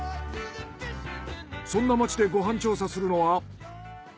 そんな町でご飯調査するのは。